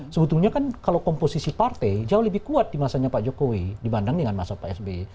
sebetulnya kan kalau komposisi partai jauh lebih kuat di masanya pak jokowi dibanding dengan masa pak sby